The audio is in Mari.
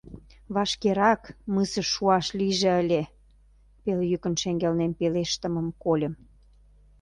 — Вашкерак мысыш шуаш лийже ыле! — пел йӱкын шеҥгелнем пелештымым кольым.